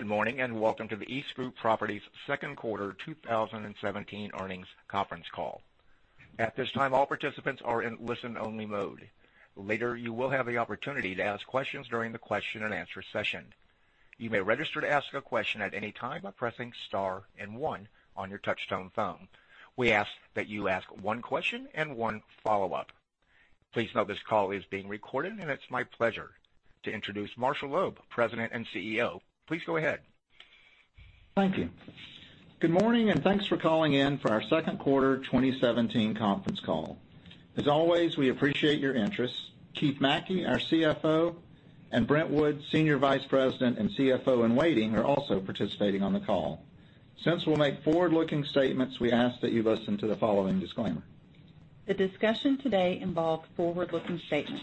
Good morning, and welcome to the EastGroup Properties second quarter 2017 earnings conference call. At this time, all participants are in listen-only mode. Later, you will have the opportunity to ask questions during the question and answer session. You may register to ask a question at any time by pressing star and one on your touchtone phone. We ask that you ask one question and one follow-up. Please note this call is being recorded, and it's my pleasure to introduce Marshall Loeb, President and CEO. Please go ahead. Thank you. Good morning and thanks for calling in for our second quarter 2017 conference call. As always, we appreciate your interest. Keith McKey, our CFO, and Brent Wood, Senior Vice President and CFO in waiting, are also participating on the call. Since we'll make forward-looking statements, we ask that you listen to the following disclaimer. The discussion today involves forward-looking statements.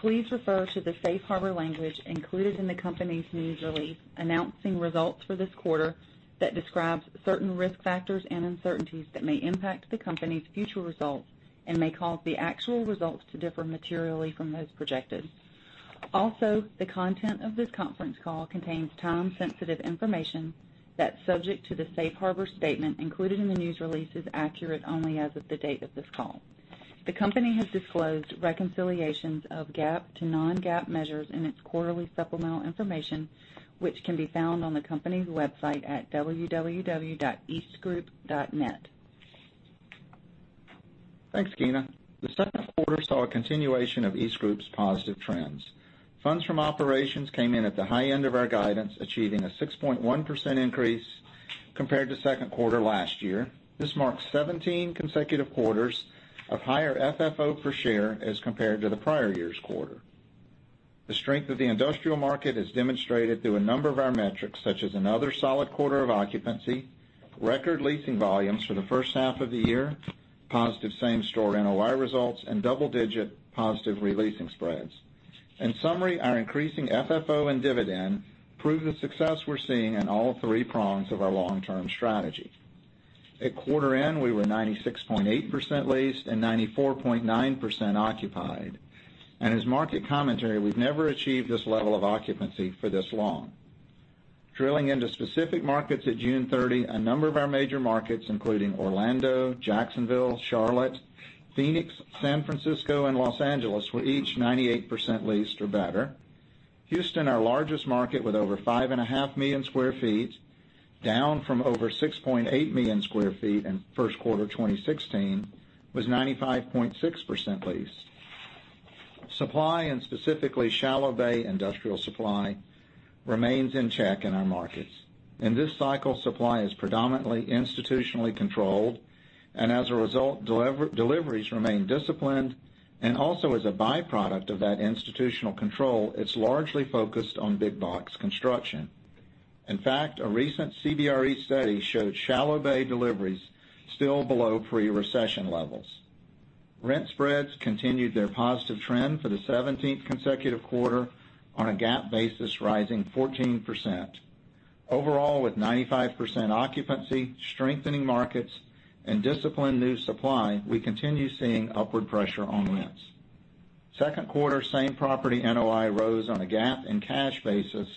Please refer to the safe harbor language included in the company's news release announcing results for this quarter that describes certain risk factors and uncertainties that may impact the company's future results and may cause the actual results to differ materially from those projected. Also, the content of this conference call contains time-sensitive information that's subject to the safe harbor statement included in the news release is accurate only as of the date of this call. The company has disclosed reconciliations of GAAP to non-GAAP measures in its quarterly supplemental information, which can be found on the company's website at www.eastgroup.net. Thanks, Gina. The second quarter saw a continuation of EastGroup's positive trends. Funds from operations came in at the high end of our guidance, achieving a 6.1% increase compared to second quarter last year. This marks 17 consecutive quarters of higher FFO per share as compared to the prior year's quarter. The strength of the industrial market is demonstrated through a number of our metrics, such as another solid quarter of occupancy, record leasing volumes for the first half of the year, positive same-store NOI results, and double-digit positive re-leasing spreads. In summary, our increasing FFO and dividend prove the success we're seeing in all three prongs of our long-term strategy. At quarter end, we were 96.8% leased and 94.9% occupied. As market commentary, we've never achieved this level of occupancy for this long. Drilling into specific markets at June 30, a number of our major markets, including Orlando, Jacksonville, Charlotte, Phoenix, San Francisco, and Los Angeles, were each 98% leased or better. Houston, our largest market, with over five and a half million square feet, down from over 6.8 million square feet in first quarter 2016, was 95.6% leased. Supply, and specifically shallow bay industrial supply, remains in check in our markets. In this cycle, supply is predominantly institutionally controlled. As a result, deliveries remain disciplined. Also as a byproduct of that institutional control, it's largely focused on big box construction. In fact, a recent CBRE study showed shallow bay deliveries still below pre-recession levels. Rent spreads continued their positive trend for the 17th consecutive quarter on a GAAP basis, rising 14%. Overall, with 95% occupancy, strengthening markets, and disciplined new supply, we continue seeing upward pressure on rents. Second quarter same-property NOI rose on a GAAP and cash basis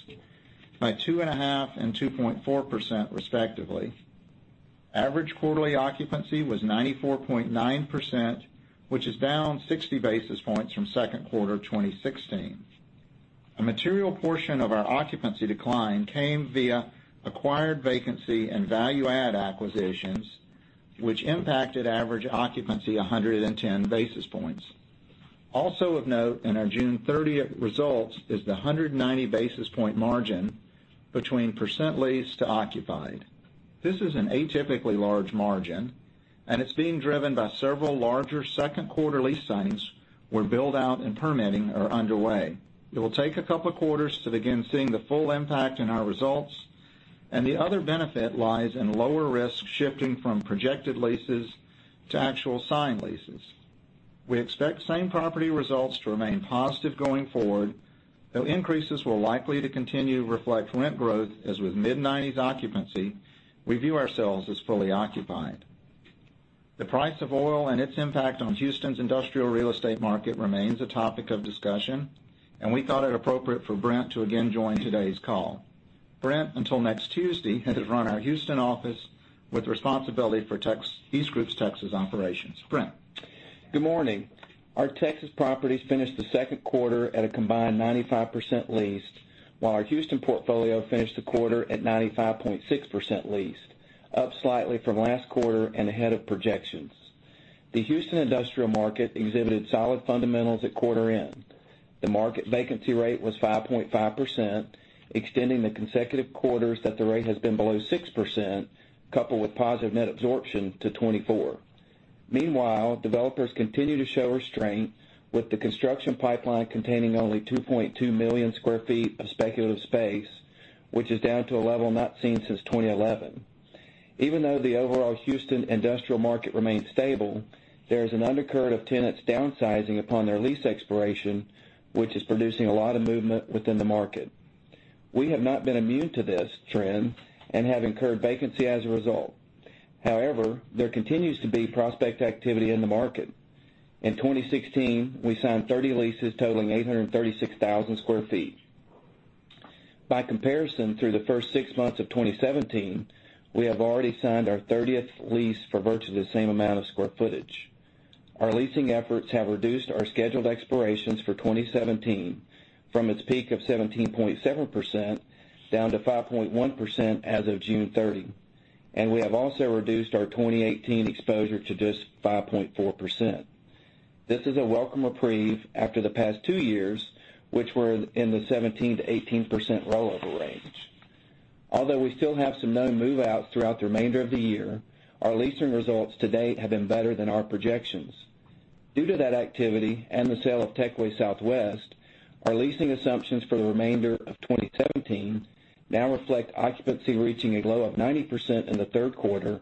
by 2.5% and 2.4% respectively. Average quarterly occupancy was 94.9%, which is down 60 basis points from second quarter 2016. A material portion of our occupancy decline came via acquired vacancy and value add acquisitions, which impacted average occupancy 110 basis points. Of note in our June 30th results is the 190 basis point margin between % leased to occupied. This is an atypically large margin, and it's being driven by several larger second-quarter lease signs where build-out and permitting are underway. It will take a couple of quarters to begin seeing the full impact in our results. The other benefit lies in lower risk shifting from projected leases to actual signed leases. We expect same-property results to remain positive going forward, though increases will likely to continue to reflect rent growth, as with mid-'90s occupancy, we view ourselves as fully occupied. The price of oil and its impact on Houston's industrial real estate market remains a topic of discussion. We thought it appropriate for Brent to again join today's call. Brent, until next Tuesday, has run our Houston office with responsibility for EastGroup's Texas operations. Brent? Good morning. Our Texas properties finished the second quarter at a combined 95% leased. Our Houston portfolio finished the quarter at 95.6% leased, up slightly from last quarter and ahead of projections. The Houston industrial market exhibited solid fundamentals at quarter end. The market vacancy rate was 5.5%, extending the consecutive quarters that the rate has been below 6%, coupled with positive net absorption to 24. Developers continue to show restraint with the construction pipeline containing only 2.2 million square feet of speculative space, which is down to a level not seen since 2011. The overall Houston industrial market remains stable, there is an undercurrent of tenants downsizing upon their lease expiration, which is producing a lot of movement within the market. We have not been immune to this trend and have incurred vacancy as a result. However, there continues to be prospect activity in the market. In 2016, we signed 30 leases totaling 836,000 sq ft. By comparison, through the first six months of 2017, we have already signed our 30th lease for virtually the same amount of square footage. Our leasing efforts have reduced our scheduled expirations for 2017 from its peak of 17.7% down to 5.1% as of June 30. We have also reduced our 2018 exposure to just 5.4%. This is a welcome reprieve after the past two years, which were in the 17%-18% rollover range. Although we still have some known move-outs throughout the remainder of the year, our leasing results to date have been better than our projections. Due to that activity and the sale of Techway Southwest, our leasing assumptions for the remainder of 2017 now reflect occupancy reaching a low of 90% in the third quarter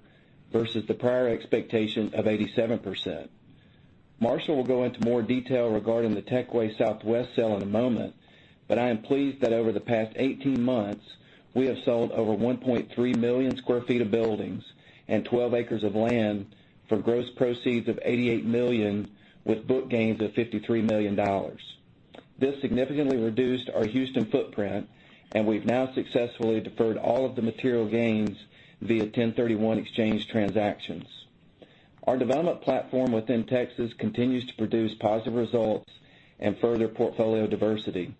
versus the prior expectation of 87%. Marshall will go into more detail regarding the Techway Southwest sale in a moment, but I am pleased that over the past 18 months, we have sold over 1.3 million sq ft of buildings and 12 acres of land for gross proceeds of $88 million with book gains of $53 million. This significantly reduced our Houston footprint, and we've now successfully deferred all of the material gains via 1031 exchange transactions. Our development platform within Texas continues to produce positive results and further portfolio diversity.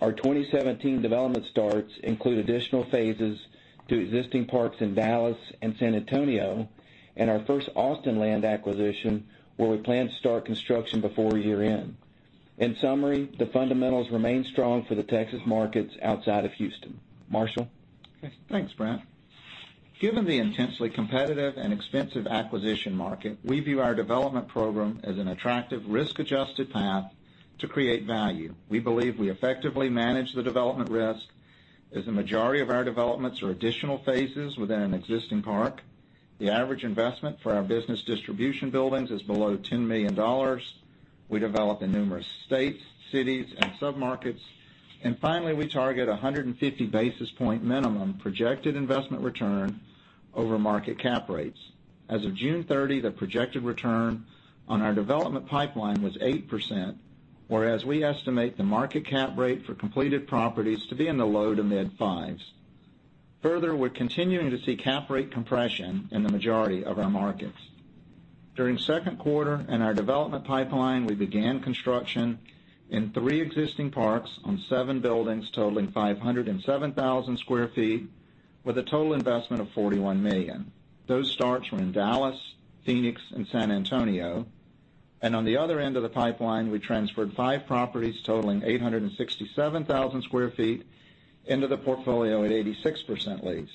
Our 2017 development starts include additional phases to existing parks in Dallas and San Antonio, and our first Austin land acquisition, where we plan to start construction before year-end. In summary, the fundamentals remain strong for the Texas markets outside of Houston. Marshall? Thanks, Brent. Given the intensely competitive and expensive acquisition market, we view our development program as an attractive risk-adjusted path to create value. We believe we effectively manage the development risk, as the majority of our developments are additional phases within an existing park. The average investment for our business distribution buildings is below $10 million. We develop in numerous states, cities, and submarkets. Finally, we target 150 basis point minimum projected investment return over market cap rates. As of June 30, the projected return on our development pipeline was 8%, whereas we estimate the market cap rate for completed properties to be in the low to mid 5s. Further, we're continuing to see cap rate compression in the majority of our markets. During second quarter, in our development pipeline, we began construction in three existing parks on seven buildings totaling 507,000 square feet, with a total investment of $41 million. Those starts were in Dallas, Phoenix, and San Antonio. On the other end of the pipeline, we transferred five properties totaling 867,000 square feet into the portfolio at 86% leased.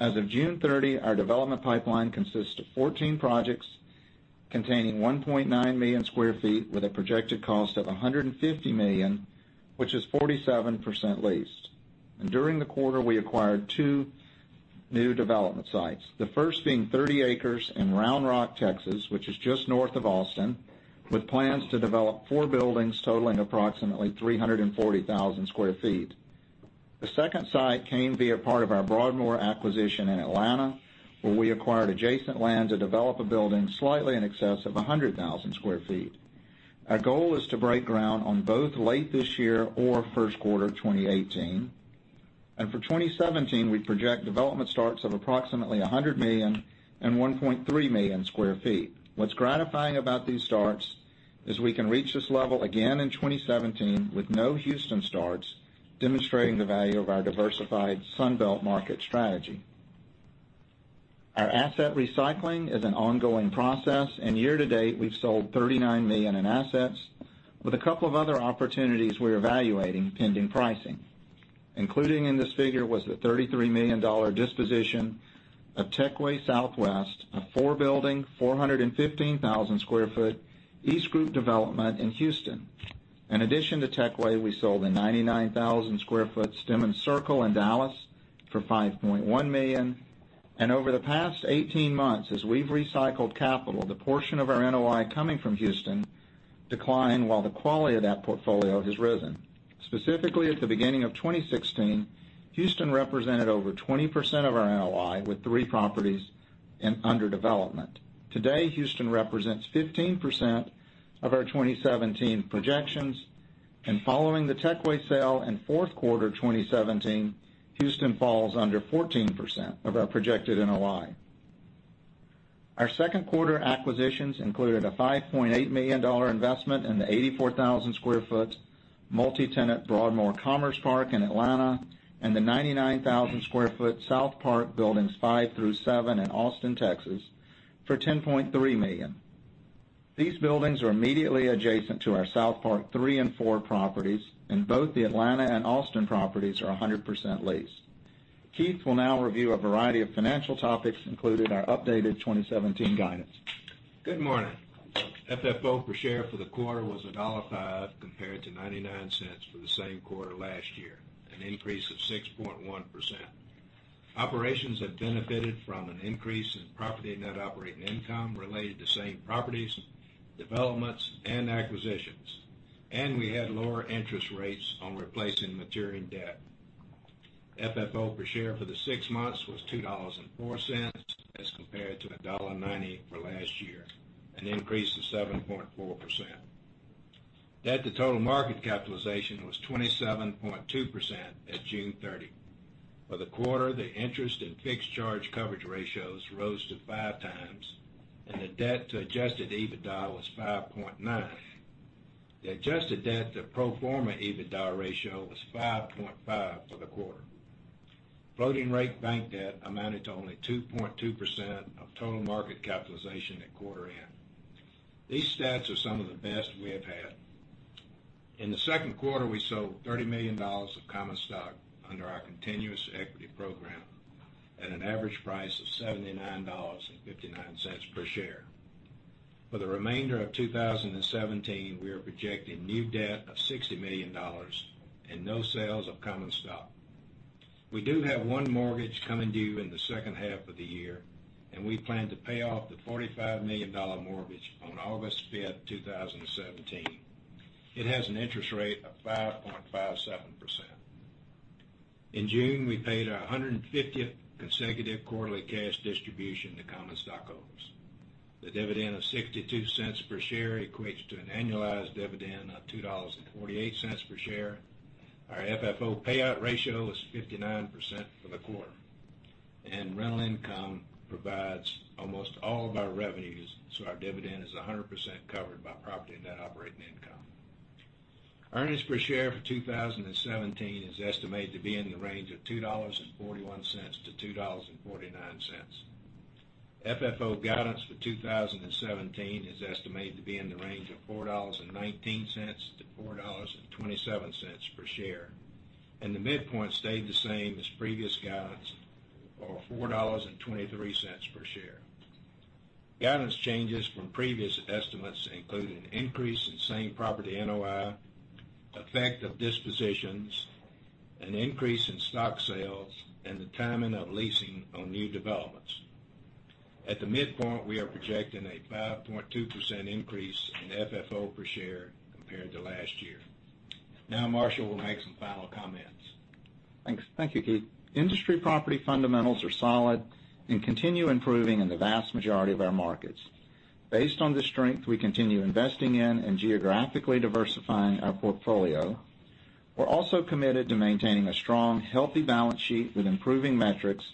As of June 30, our development pipeline consists of 14 projects containing 1.9 million square feet with a projected cost of $150 million, which is 47% leased. During the quarter, we acquired two new development sites. The first being 30 acres in Round Rock, Texas, which is just north of Austin, with plans to develop four buildings totaling approximately 340,000 square feet. The second site came via part of our Broadmoor acquisition in Atlanta, where we acquired adjacent land to develop a building slightly in excess of 100,000 square feet. Our goal is to break ground on both late this year or first quarter 2018. For 2017, we project development starts of approximately 100 million and 1.3 million square feet. What's gratifying about these starts is we can reach this level again in 2017 with no Houston starts, demonstrating the value of our diversified Sun Belt market strategy. Our asset recycling is an ongoing process, year to date, we've sold $39 million in assets with a couple of other opportunities we're evaluating pending pricing. Including in this figure was the $33 million disposition of Techway Southwest, a four-building, 415,000 square foot EastGroup development in Houston. In addition to Techway, we sold a 99,000 square foot Stemmons Circle in Dallas for $5.1 million. Over the past 18 months, as we've recycled capital, the portion of our NOI coming from Houston declined while the quality of that portfolio has risen. Specifically, at the beginning of 2016, Houston represented over 20% of our NOI, with three properties in under development. Today, Houston represents 15% of our 2017 projections, and following the Techway sale in fourth quarter 2017, Houston falls under 14% of our projected NOI. Our second quarter acquisitions included a $5.8 million investment in the 84,000 square foot multi-tenant Broadmoor Commerce Park in Atlanta and the 99,000 square foot SouthPark Buildings 5 through 7 in Austin, Texas, for $10.3 million. These buildings are immediately adjacent to our SouthPark 3 and 4 properties, and both the Atlanta and Austin properties are 100% leased. Keith will now review a variety of financial topics, including our updated 2017 guidance. Good morning. FFO per share for the quarter was $1.05 compared to $0.99 for the same quarter last year, an increase of 6.1%. Operations have benefited from an increase in property net operating income related to same properties, developments, and acquisitions. We had lower interest rates on replacing maturing debt. FFO per share for the six months was $2.04 as compared to $1.90 for last year, an increase of 7.4%. Debt to total market capitalization was 27.2% at June 30. For the quarter, the interest and fixed charge coverage ratios rose to five times, the debt to adjusted EBITDA was 5.9. The adjusted debt to pro forma EBITDA ratio was 5.5 for the quarter. Floating rate bank debt amounted to only 2.2% of total market capitalization at quarter end. These stats are some of the best we have had. In the second quarter, we sold $30 million of common stock under our continuous equity program at an average price of $79.59 per share. For the remainder of 2017, we are projecting new debt of $60 million and no sales of common stock. We do have one mortgage coming due in the second half of the year. We plan to pay off the $45 million mortgage on August 5th, 2017. It has an interest rate of 5.57%. In June, we paid our 150th consecutive quarterly cash distribution to common stockholders. The dividend of $0.62 per share equates to an annualized dividend of $2.48 per share. Our FFO payout ratio is 59% for the quarter. Rental income provides almost all of our revenues, so our dividend is 100% covered by property Net Operating Income. Earnings per share for 2017 is estimated to be in the range of $2.41-$2.49. FFO guidance for 2017 is estimated to be in the range of $4.19-$4.27 per share, and the midpoint stayed the same as previous guidance of $4.23 per share. Guidance changes from previous estimates include an increase in same-store NOI, effect of dispositions, an increase in stock sales, and the timing of leasing on new developments. At the midpoint, we are projecting a 5.2% increase in FFO per share compared to last year. Marshall will make some final comments. Thanks. Thank you, Keith. Industry property fundamentals are solid and continue improving in the vast majority of our markets. Based on this strength, we continue investing in and geographically diversifying our portfolio. We're also committed to maintaining a strong, healthy balance sheet with improving metrics,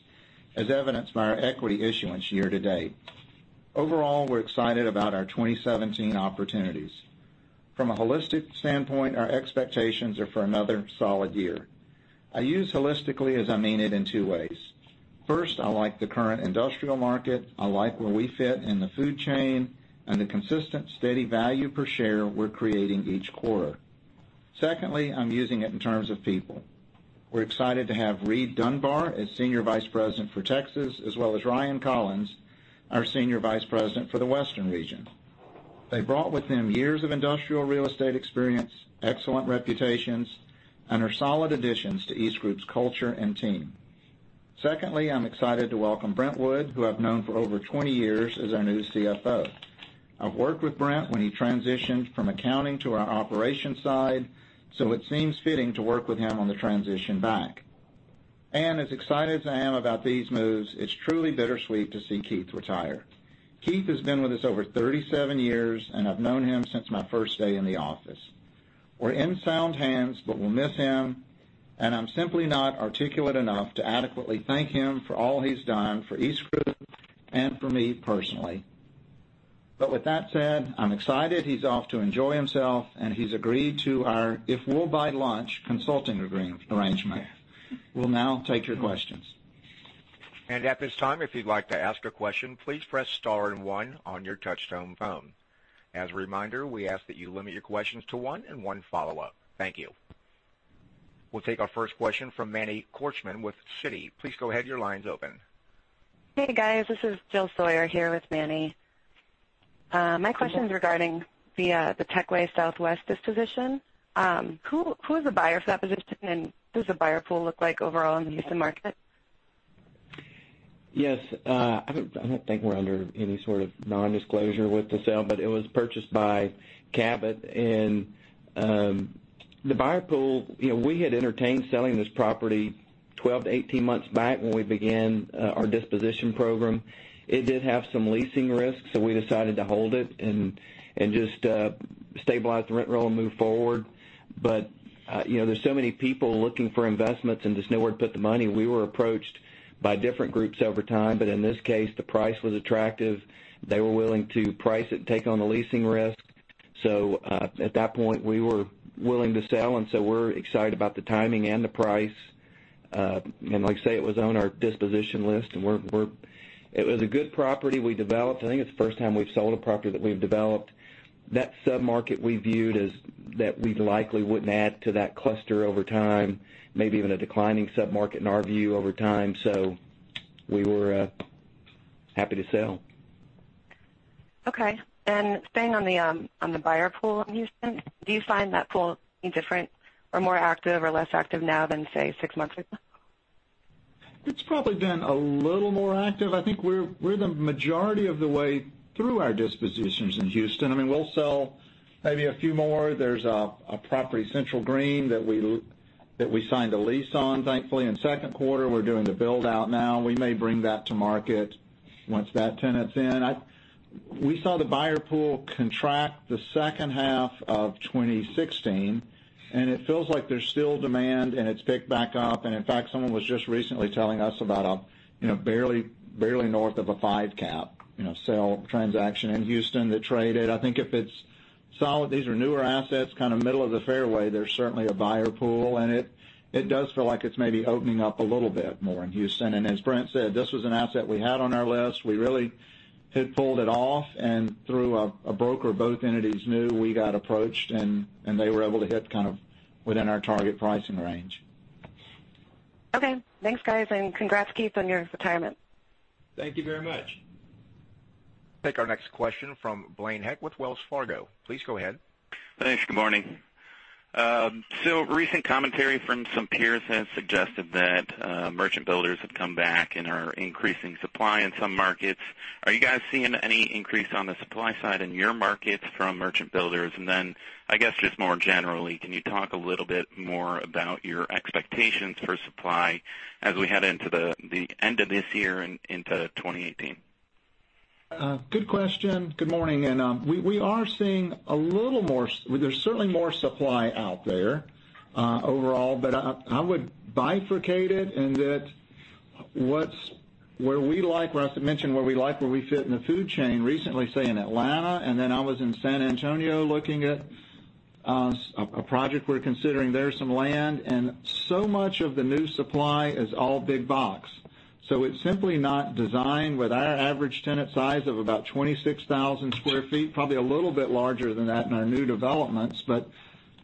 as evidenced by our equity issuance year-to-date. Overall, we're excited about our 2017 opportunities. From a holistic standpoint, our expectations are for another solid year. I use holistically, as I mean it, in two ways. First, I like the current industrial market, I like where we fit in the food chain, the consistent, steady value per share we're creating each quarter. Secondly, I'm using it in terms of people. We're excited to have Reid Dunbar as Senior Vice President for Texas, as well as Ryan Collins, our Senior Vice President for the Western Region. They brought with them years of industrial real estate experience, excellent reputations, and are solid additions to EastGroup's culture and team. I'm excited to welcome Brent Wood, who I've known for over 20 years, as our new CFO. I worked with Brent when he transitioned from accounting to our operations side, it seems fitting to work with him on the transition back. As excited as I am about these moves, it's truly bittersweet to see Keith retire. Keith has been with us over 37 years, I've known him since my first day in the office. We're in sound hands, we'll miss him, I'm simply not articulate enough to adequately thank him for all he's done for EastGroup and for me personally. With that said, I'm excited he's off to enjoy himself, he's agreed to our if-we'll-buy-lunch consulting arrangement. We'll now take your questions. At this time, if you'd like to ask a question, please press star and 1 on your touch-tone phone. As a reminder, we ask that you limit your questions to 1 and 1 follow-up. Thank you. We'll take our first question from Manny Korchman with Citi. Please go ahead. Your line's open. Hey, guys. This is Jill Sawyer here with Manny. My question is regarding the Techway Southwest disposition. Who is the buyer for that position, what does the buyer pool look like overall in the Houston market? Yes. I don't think we're under any sort of non-disclosure with the sale, but it was purchased by Cabot. The buyer pool, we had entertained selling this property 12 to 18 months back when we began our disposition program. It did have some leasing risks, so we decided to hold it and just stabilize the rent roll and move forward. There's so many people looking for investments and just nowhere to put the money. We were approached by different groups over time, but in this case, the price was attractive. They were willing to price it and take on the leasing risk. At that point, we were willing to sell, so we're excited about the timing and the price. Like I say, it was on our disposition list, and it was a good property we developed. I think it's the first time we've sold a property that we've developed. That sub-market we viewed as that we likely wouldn't add to that cluster over time, maybe even a declining sub-market in our view over time. We were happy to sell. Okay. Staying on the buyer pool in Houston, do you find that pool any different or more active or less active now than, say, six months ago? It's probably been a little more active. I think we're the majority of the way through our dispositions in Houston. We'll sell maybe a few more. There's a property, Central Green, that we signed a lease on, thankfully, in second quarter. We're doing the build-out now. We may bring that to market once that tenant's in. We saw the buyer pool contract the second half of 2016, and it feels like there's still demand, and it's picked back up. In fact, someone was just recently telling us about a barely north of a five cap sale transaction in Houston that traded. I think if it's solid, these are newer assets, kind of middle of the fairway. There's certainly a buyer pool, and it does feel like it's maybe opening up a little bit more in Houston. As Brent said, this was an asset we had on our list. We really had pulled it off. Through a broker, both entities knew we got approached. They were able to hit kind of within our target pricing range. Okay. Thanks, guys. Congrats, Keith, on your retirement. Thank you very much. Take our next question from Blaine Heck with Wells Fargo. Please go ahead. Thanks. Good morning. Recent commentary from some peers has suggested that merchant builders have come back and are increasing supply in some markets. Are you guys seeing any increase on the supply side in your markets from merchant builders? I guess just more generally, can you talk a little bit more about your expectations for supply as we head into the end of this year and into 2018? Good question. Good morning. We are seeing a little more supply out there, overall. I would bifurcate it in that where we like, Marshall mentioned where we like where we fit in the food chain. Recently, say, in Atlanta, I was in San Antonio, looking at a project we're considering there, some land. So much of the new supply is all big box. It's simply not designed with our average tenant size of about 26,000 square feet, probably a little bit larger than that in our new developments.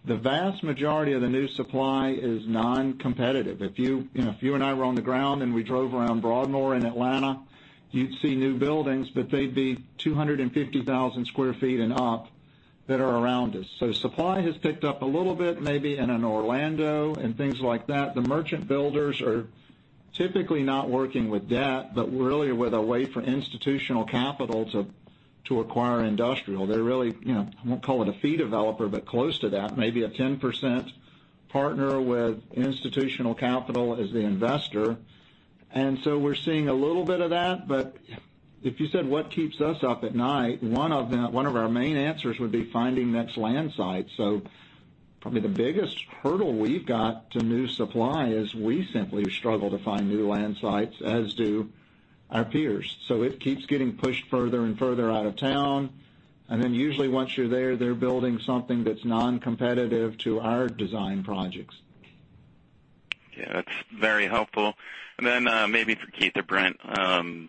The vast majority of the new supply is non-competitive. If you and I were on the ground and we drove around Broadmoor in Atlanta, you'd see new buildings, but they'd be 250,000 square feet and up that are around us. Supply has picked up a little bit, maybe in an Orlando and things like that. The merchant builders are typically not working with debt, but really with a way for institutional capital to acquire industrial. They're really, I won't call it a fee developer, but close to that, maybe a 10% partner with institutional capital as the investor. We're seeing a little bit of that. If you said what keeps us up at night, one of our main answers would be finding next land sites. Probably the biggest hurdle we've got to new supply is we simply struggle to find new land sites, as do our peers. It keeps getting pushed further and further out of town. Usually once you're there, they're building something that's non-competitive to our design projects. Yeah, that's very helpful. Then, maybe for Keith or Brent,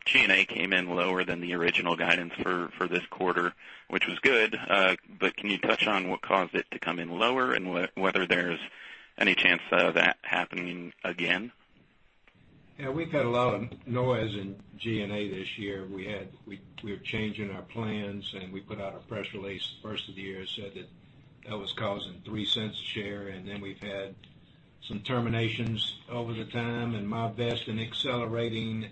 G&A came in lower than the original guidance for this quarter, which was good. Can you touch on what caused it to come in lower and whether there's any chance of that happening again? We've had a lot of noise in G&A this year. We're changing our plans. We put out a press release the first of the year, said that that was causing $0.03 a share. We've had some terminations over the time and my vesting accelerating.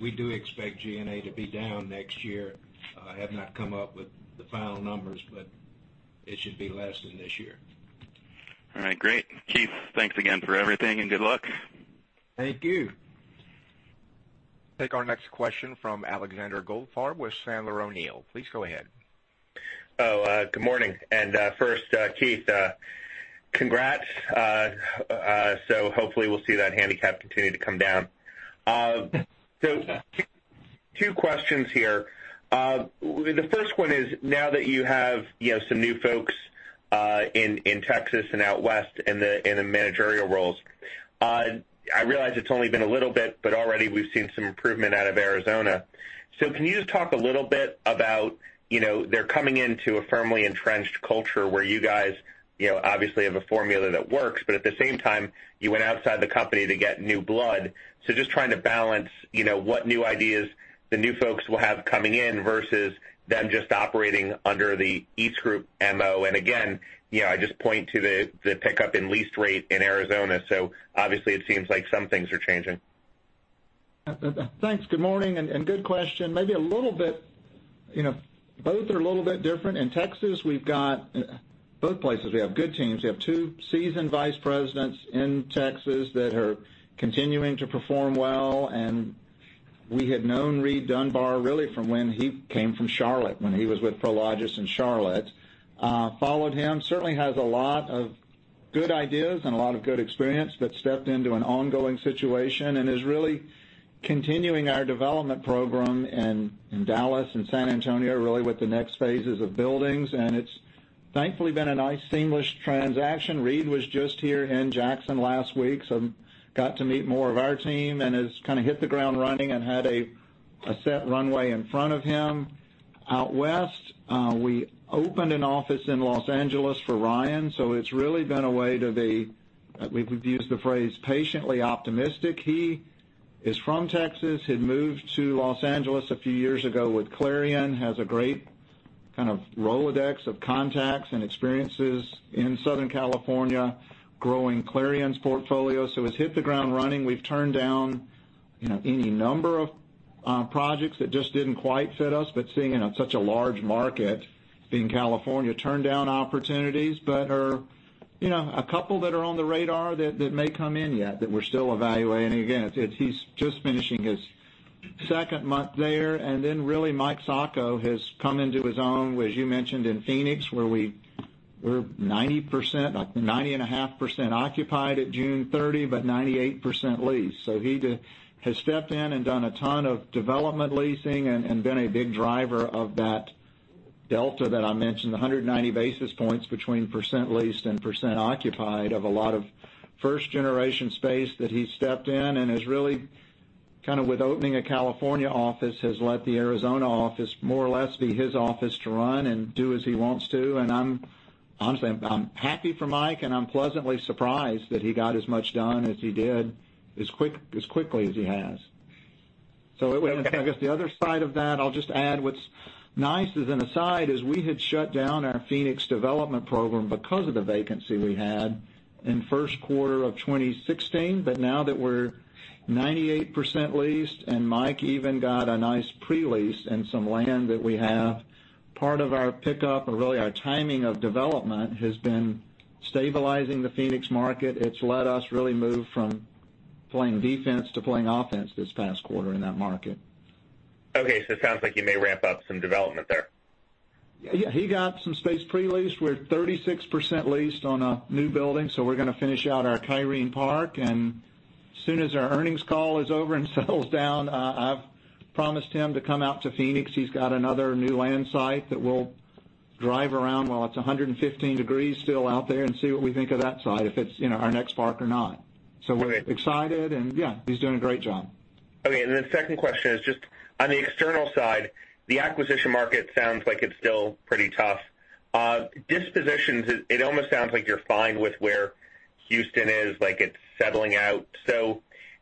We do expect G&A to be down next year. I have not come up with the final numbers. It should be less than this year. All right. Great. Keith, thanks again for everything. Good luck. Thank you. Take our next question from Alexander Goldfarb with Sandler O'Neill. Please go ahead. Good morning. First, Keith, congrats. Hopefully we'll see that handicap continue to come down. Two questions here. The first one is, now that you have some new folks in Texas and out west in the managerial roles, I realize it's only been a little bit, but already we've seen some improvement out of Arizona. Can you just talk a little bit about, they're coming into a firmly entrenched culture where you guys obviously have a formula that works, but at the same time, you went outside the company to get new blood. Just trying to balance what new ideas the new folks will have coming in versus them just operating under the EastGroup MO. Again, I just point to the pickup in lease rate in Arizona. Obviously, it seems like some things are changing. Thanks. Good morning, good question. Maybe a little bit. Both are a little bit different. In Texas, we've got both places, we have good teams. We have two seasoned Vice Presidents in Texas that are continuing to perform well. We had known Reid Dunbar really from when he came from Charlotte, when he was with Prologis in Charlotte. Followed him. Certainly has a lot of good ideas and a lot of good experience, but stepped into an ongoing situation and is really continuing our development program in Dallas and San Antonio, really with the next phases of buildings. It's thankfully been a nice seamless transaction. Reid was just here in Jackson last week, so got to meet more of our team and has kind of hit the ground running and had a set runway in front of him. Out west, we opened an office in Los Angeles for Ryan, so it's really been a way to be. We've used the phrase patiently optimistic. He is from Texas, had moved to Los Angeles a few years ago with Clarion, has a great kind of Rolodex of contacts and experiences in Southern California, growing Clarion's portfolio. Has hit the ground running. We've turned down any number of projects that just didn't quite fit us. Seeing such a large market in California, turned down opportunities. A couple that are on the radar that may come in yet that we're still evaluating. Again, he's just finishing his second month there. Then really, Mike Sacco has come into his own, as you mentioned, in Phoenix, where we're 90%, 90.5% occupied at June 30, but 98% leased. He has stepped in and done a ton of development leasing and been a big driver of that delta that I mentioned, 190 basis points between percent leased and percent occupied, of a lot of first-generation space that he stepped in and has really, kind of with opening a California office, has let the Arizona office more or less be his office to run and do as he wants to. Honestly, I'm happy for Mike, and I'm pleasantly surprised that he got as much done as he did, as quickly as he has. I guess the other side of that, I'll just add what's nice is, an aside, is we had shut down our Phoenix development program because of the vacancy we had in first quarter of 2016. Now that we're 98% leased, Mike even got a nice pre-lease on some land that we have. Part of our pickup, or really our timing of development, has been stabilizing the Phoenix market. It's let us really move from playing defense to playing offense this past quarter in that market. Okay. It sounds like you may ramp up some development there. Yeah. He got some space pre-leased. We're 36% leased on a new building, so we're going to finish out our Kyrene Park, and as soon as our earnings call is over and settles down, I've promised him to come out to Phoenix. He's got another new land site that we'll drive around, while it's 115 degrees still out there, and see what we think of that site, if it's our next park or not. Great. We're excited and yeah, he's doing a great job. Okay. Second question is just on the external side, the acquisition market sounds like it's still pretty tough. Dispositions, it almost sounds like you're fine with where Houston is, like it's settling out.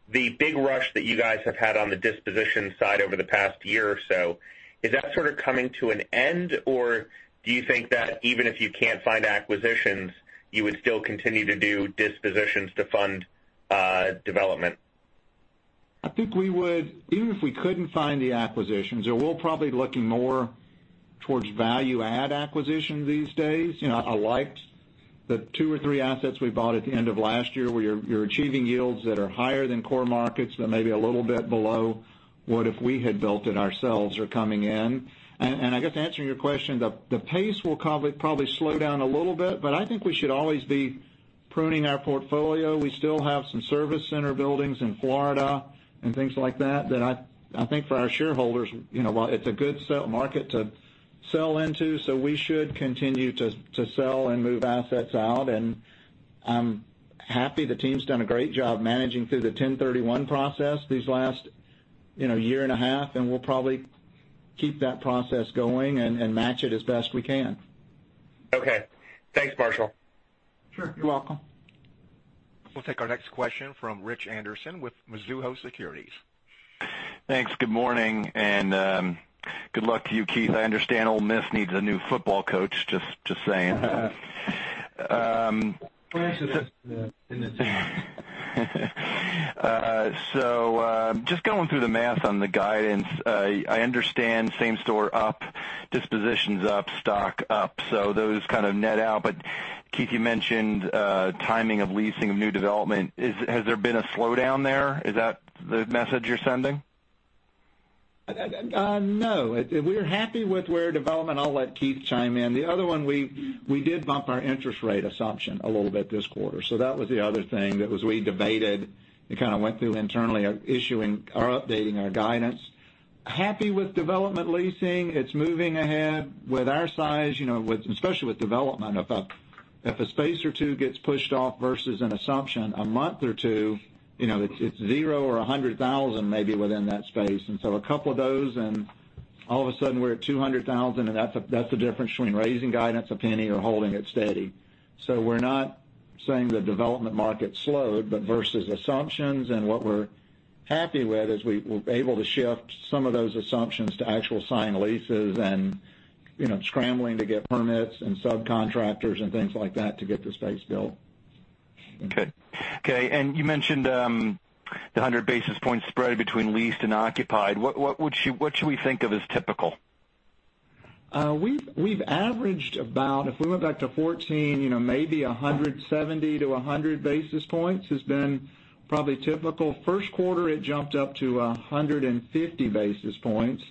The big rush that you guys have had on the disposition side over the past year or so, is that sort of coming to an end? Do you think that even if you can't find acquisitions, you would still continue to do dispositions to fund development? I think we would, even if we couldn't find the acquisitions, we're probably looking more towards value add acquisitions these days. I liked the two or three assets we bought at the end of last year, where you're achieving yields that are higher than core markets, but maybe a little bit below what if we had built it ourselves are coming in. I guess to answer your question, the pace will probably slow down a little bit, I think we should always be pruning our portfolio. We still have some service center buildings in Florida and things like that I think for our shareholders, while it's a good market to sell into, we should continue to sell and move assets out. I'm happy the team's done a great job managing through the 1031 process these last year and a half, we'll probably keep that process going and match it as best we can. Okay. Thanks, Marshall. Sure. You're welcome. We'll take our next question from Richard Anderson with Mizuho Securities. Thanks. Good morning. Good luck to you, Keith. I understand Ole Miss needs a new football coach, just saying. Coincidence. Just going through the math on the guidance. I understand same-store up, dispositions up, stock up. Keith, you mentioned timing of leasing of new development. Has there been a slowdown there? Is that the message you're sending? No. I'll let Keith chime in. The other one, we did bump our interest rate assumption a little bit this quarter. That was the other thing that we debated and kind of went through internally, updating our guidance. Happy with development leasing. It's moving ahead. With our size, especially with development, if a space or 2 gets pushed off versus an assumption, a month or 2, it's zero or $100,000 maybe within that space. A couple of those, and all of a sudden we're at $200,000, and that's the difference between raising guidance a penny or holding it steady. We're not saying the development market slowed, but versus assumptions, and what we're happy with is we're able to shift some of those assumptions to actual signed leases and scrambling to get permits and subcontractors and things like that to get the space built. Okay. You mentioned the 100 basis point spread between leased and occupied. What should we think of as typical? We've averaged about, if we went back to 2014, maybe 170 to 100 basis points has been probably typical. First quarter, it jumped up to 150 basis points,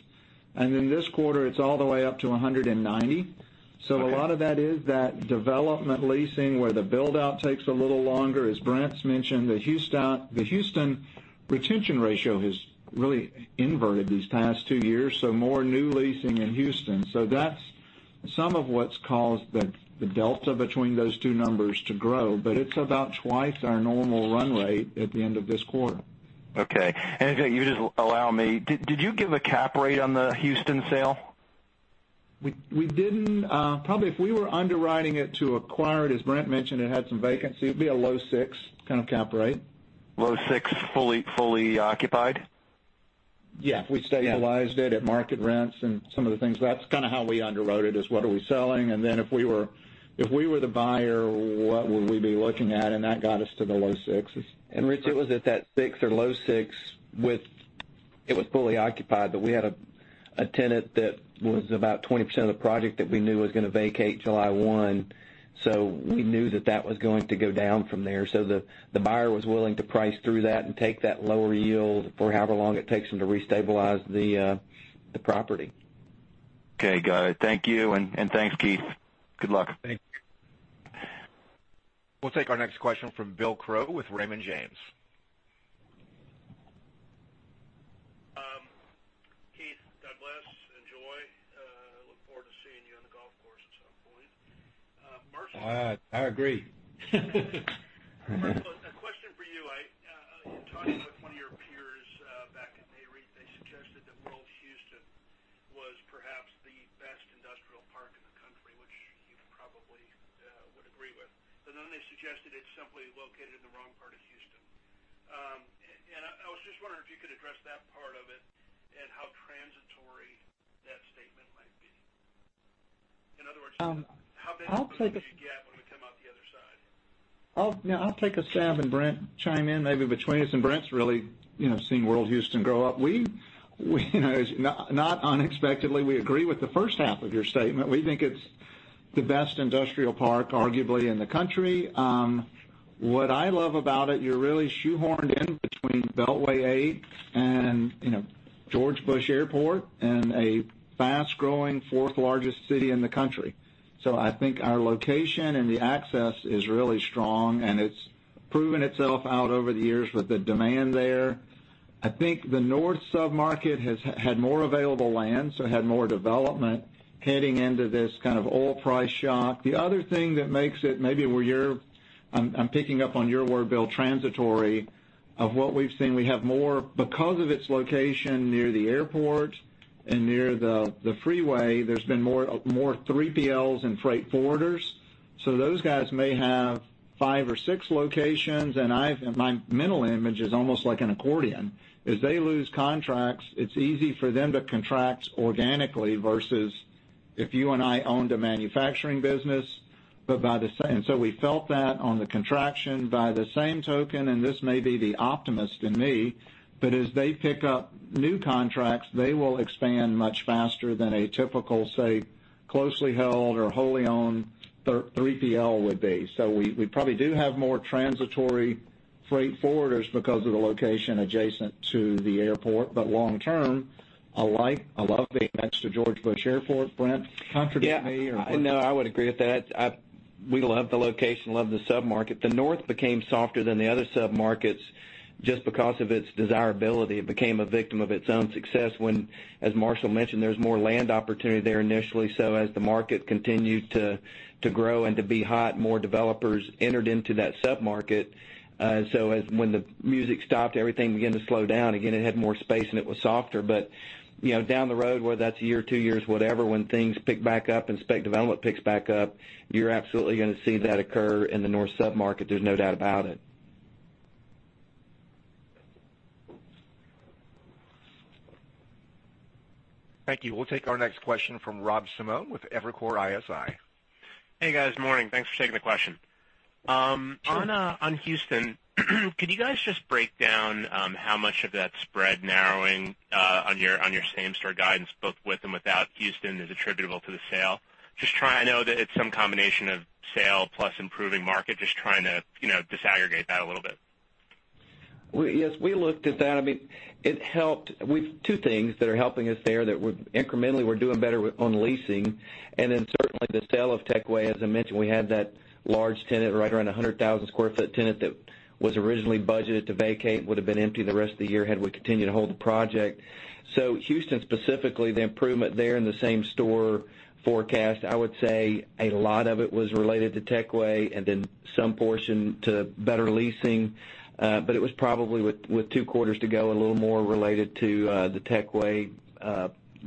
this quarter, it's all the way up to 190. Okay. A lot of that is that development leasing where the build-out takes a little longer. As Brent mentioned, the Houston retention ratio has really inverted these past two years. More new leasing in Houston. That's some of what's caused the delta between those two numbers to grow, but it's about twice our normal run rate at the end of this quarter. Okay. If you just allow me, did you give a cap rate on the Houston sale? We didn't. Probably if we were underwriting it to acquire it, as Brent mentioned, it had some vacancy, it would be a low six kind of cap rate. Low six, fully occupied? Yeah. If we stabilized it at market rents and some of the things, that's kind of how we underwrote it, is what are we selling, then if we were the buyer, what would we be looking at? That got us to the low sixes. Richard, it was at that six or low six. It was fully occupied, we had a tenant that was about 20% of the project that we knew was going to vacate July 1. We knew that that was going to go down from there. The buyer was willing to price through that and take that lower yield for however long it takes them to restabilize the property. Okay, got it. Thank you, and thanks, Keith. Good luck. Thanks. We'll take our next question from William Crow with Raymond James. Keith, God bless. Enjoy. Look forward to seeing you on the golf course at some point. Marshall. I agree. Marshall, a question for you. In talking with one of your peers back in May, they suggested that World Houston was perhaps the best industrial park in the country, which you probably would agree with. They suggested it's simply located in the wrong part of Houston. I was just wondering if you could address that part of it, and how transitory that statement might be. In other words. I'll take the How big of a gap when we come out the other side? I'll take a stab, Brent chime in maybe between us, Brent's really seen World Houston grow up. Not unexpectedly, we agree with the first half of your statement. We think it's the best industrial park, arguably, in the country. What I love about it, you're really shoehorned in between Beltway 8 and George Bush Airport in a fast-growing fourth largest city in the country. I think our location and the access is really strong, and it's proven itself out over the years with the demand there. I think the north sub-market has had more available land, had more development heading into this kind of oil price shock. The other thing that makes it maybe where you're I'm picking up on your word, Bill, transitory, of what we've seen, we have more, because of its location near the airport and near the freeway, there's been more 3PLs and freight forwarders. Those guys may have five or six locations, and my mental image is almost like an accordion. As they lose contracts, it's easy for them to contract organically versus if you and I owned a manufacturing business. We felt that on the contraction. By the same token, this may be the optimist in me, as they pick up new contracts, they will expand much faster than a typical, say, closely held or wholly owned 3PL would be. We probably do have more transitory freight forwarders because of the location adjacent to the airport. Long term, I love being next to George Bush Airport. Brent, contradict me or- Yeah. No, I would agree with that. We love the location, love the sub-market. The north became softer than the other sub-markets just because of its desirability. It became a victim of its own success when, as Marshall mentioned, there was more land opportunity there initially. As the market continued to grow and to be hot, more developers entered into that sub-market. When the music stopped, everything began to slow down. Again, it had more space and it was softer. Down the road, whether that's a year or two years, whatever, when things pick back up and spec development picks back up, you're absolutely going to see that occur in the north sub-market. There's no doubt about it. Thank you. We'll take our next question from Rob Simone with Evercore ISI. Hey, guys. Morning. Thanks for taking the question. On Houston, could you guys just break down how much of that spread narrowing on your same-store guidance, both with and without Houston, is attributable to the sale? I know that it's some combination of sale plus improving market, just trying to disaggregate that a little bit. Yes, we looked at that. Two things that are helping us there, that incrementally we're doing better on leasing, and then certainly the sale of Techway, as I mentioned, we had that large tenant, right around 100,000 sq ft tenant that was originally budgeted to vacate, would've been empty the rest of the year had we continued to hold the project. Houston specifically, the improvement there in the same-store forecast, I would say a lot of it was related to Techway, and then some portion to better leasing. It was probably, with two quarters to go, a little more related to the Techway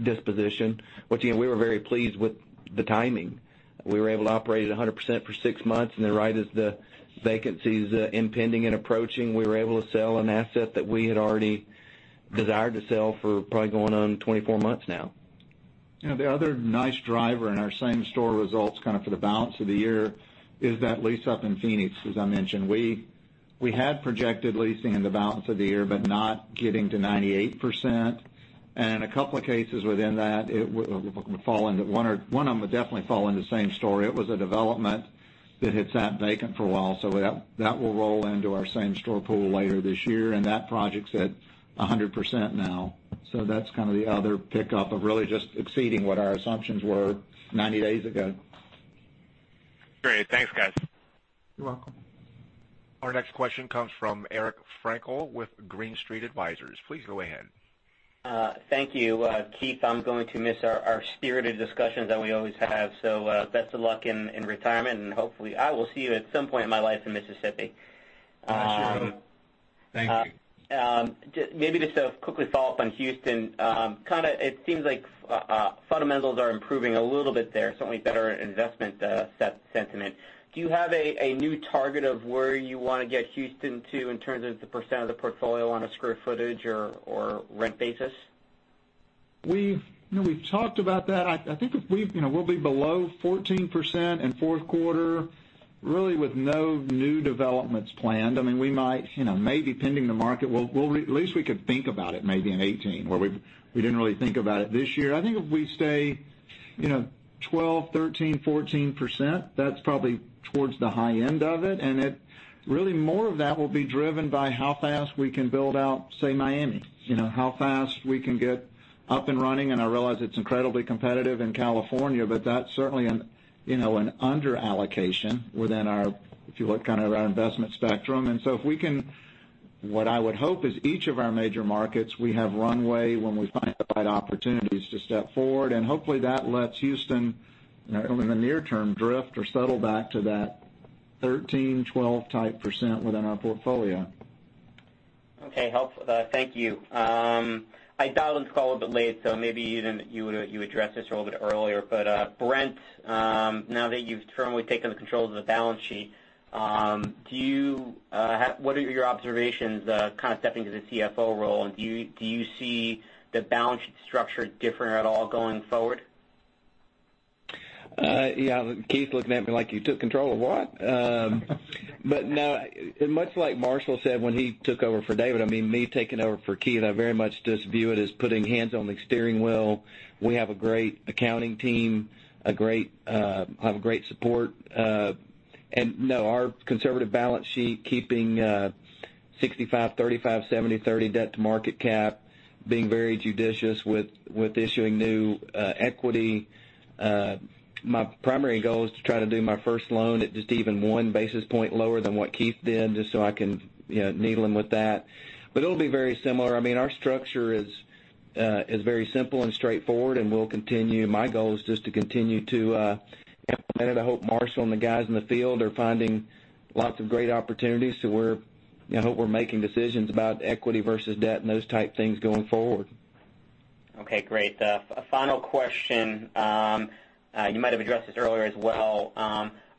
disposition, which again, we were very pleased with the timing. We were able to operate at 100% for six months, right as the vacancy is impending and approaching, we were able to sell an asset that we had already desired to sell for probably going on 24 months now. The other nice driver in our same-store results kind of for the balance of the year is that lease up in Phoenix, as I mentioned. We had projected leasing in the balance of the year, but not getting to 98%. In a couple of cases within that, one of them would definitely fall into same-store. It was a development that had sat vacant for a while. That will roll into our same-store pool later this year, and that project's at 100% now. That's kind of the other pickup of really just exceeding what our assumptions were 90 days ago. Great. Thanks, guys. You're welcome. Our next question comes from Eric Frankel with Green Street Advisors. Please go ahead. Thank you. Keith, I'm going to miss our spirited discussions that we always have. Best of luck in retirement, and hopefully I will see you at some point in my life in Mississippi. Thank you. Thank you. Maybe just to quickly follow up on Houston. It seems like fundamentals are improving a little bit there, certainly better investment sentiment. Do you have a new target of where you want to get Houston to in terms of the % of the portfolio on a square footage or rent basis? We've talked about that. I think we'll be below 14% in fourth quarter, really with no new developments planned. We might, maybe, pending the market, at least we could think about it maybe in 2018, where we didn't really think about it this year. I think if we stay 12%, 13%, 14%, that's probably towards the high end of it, and really more of that will be driven by how fast we can build out, say, Miami. How fast we can get up and running. I realize it's incredibly competitive in California, but that's certainly an under-allocation within our, if you look, kind of our investment spectrum. What I would hope is each of our major markets, we have runway when we find the right opportunities to step forward, and hopefully that lets Houston, in the near term, drift or settle back to that 13, 12 type % within our portfolio. Okay. Helpful. Thank you. I dialed into the call a bit late, so maybe you addressed this a little bit earlier. Brent, now that you've firmly taken the controls of the balance sheet, what are your observations, kind of stepping into the CFO role, and do you see the balance sheet structure differing at all going forward? Yeah. Keith's looking at me like, "You took control of what?" No, much like Marshall said when he took over for David, me taking over for Keith, I very much just view it as putting hands on the steering wheel. We have a great accounting team. I have great support. No, our conservative balance sheet, keeping 65/35, 70/30 debt to market cap, being very judicious with issuing new equity. My primary goal is to try to do my first loan at just even one basis point lower than what Keith did, just so I can needle him with that. It'll be very similar. Our structure is very simple and straightforward, and we'll continue. My goal is just to continue to implement it. I hope Marshall and the guys in the field are finding lots of great opportunities, so I hope we're making decisions about equity versus debt and those type things going forward. Okay, great. A final question. You might have addressed this earlier as well.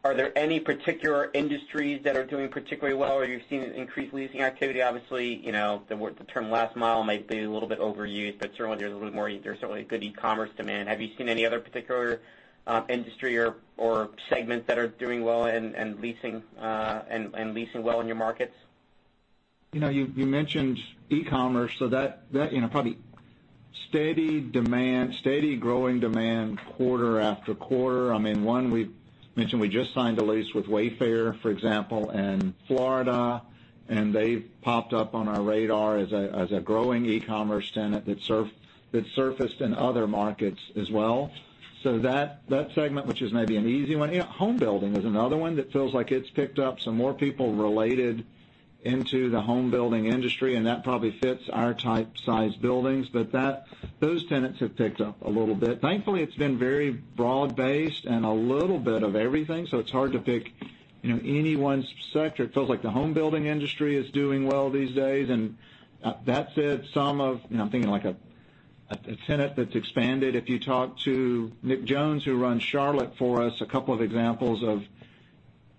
Are there any particular industries that are doing particularly well or you're seeing an increased leasing activity? Obviously, the term last mile may be a little bit overused, but certainly there's a little more, there's certainly good e-commerce demand. Have you seen any other particular industry or segments that are doing well and leasing well in your markets? You mentioned e-commerce, so that, probably steady growing demand quarter after quarter. One we mentioned, we just signed a lease with Wayfair, for example, in Florida, and they've popped up on our radar as a growing e-commerce tenant that surfaced in other markets as well. That segment, which is maybe an easy one. Home building is another one that feels like it's picked up. Some more people related into the home building industry, and that probably fits our type size buildings. Those tenants have picked up a little bit. Thankfully, it's been very broad-based and a little bit of everything, so it's hard to pick any one sector. It feels like the home building industry is doing well these days, and that said, some of I'm thinking like a tenant that's expanded. If you talk to Nick Jones, who runs Charlotte for us, a couple of examples of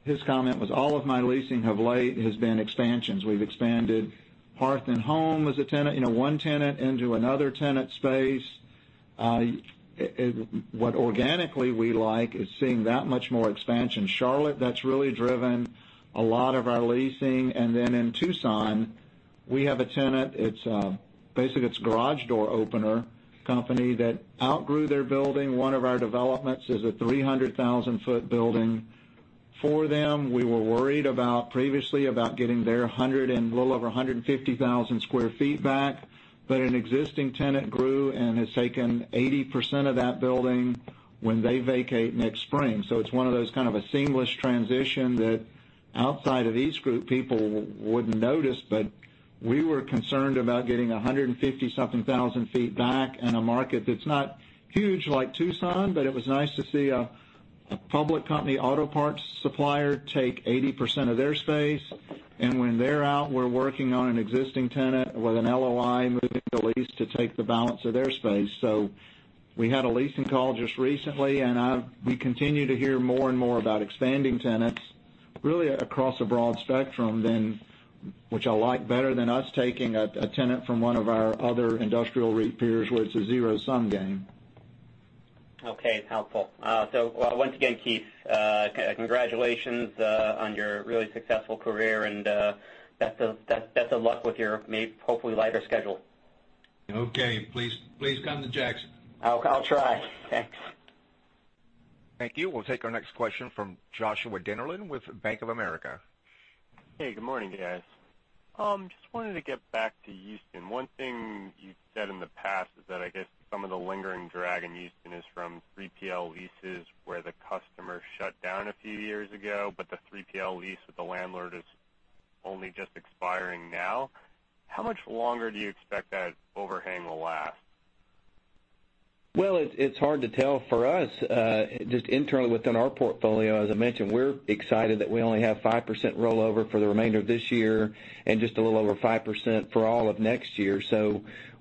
his comment was, "All of my leasing of late has been expansions." We've expanded Hearth & Home as a tenant, one tenant into another tenant space. What organically we like is seeing that much more expansion. Charlotte, that's really driven a lot of our leasing. Then in Tucson, we have a tenant, basically it's a garage door opener company that outgrew their building. One of our developments is a 300,000-foot building. For them, we were worried previously about getting their little over 150,000 sq ft back. An existing tenant grew and has taken 80% of that building when they vacate next spring. It's one of those kind of a seamless transition that outside of EastGroup, people wouldn't notice, but we were concerned about getting 150,000-something sq ft back in a market that's not huge like Tucson, but it was nice to see a public company auto parts supplier take 80% of their space. When they're out, we're working on an existing tenant with an LOI moving the lease to take the balance of their space. We had a leasing call just recently, and we continue to hear more and more about expanding tenants really across a broad spectrum, which I like better than us taking a tenant from one of our other industrial REIT peers where it's a zero-sum game. Okay. Helpful. Once again, Keith, congratulations on your really successful career, and best of luck with your, hopefully, lighter schedule. Okay. Please come to Jackson. I'll try. Thanks. Thank you. We'll take our next question from Joshua Dennerlein with Bank of America. Hey, good morning, guys. Just wanted to get back to Houston. One thing you said in the past is that I guess some of the lingering drag in Houston is from 3PL leases where the customer shut down a few years ago, but the 3PL lease with the landlord is only just expiring now. How much longer do you expect that overhang will last? Well, it's hard to tell for us. Just internally within our portfolio, as I mentioned, we're excited that we only have 5% rollover for the remainder of this year and just a little over 5% for all of next year.